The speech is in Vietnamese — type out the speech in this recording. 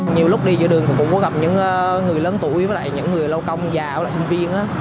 nhiều lúc đi giữa đường cũng có gặp những người lớn tuổi với lại những người lâu công già hoặc là sinh viên